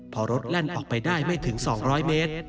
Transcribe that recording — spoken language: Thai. พอรถแล่นออกไปได้ไม่ถึง๒๐๐เมตร